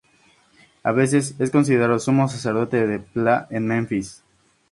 A veces, es considerado sumo sacerdote de Ptah en Menfis.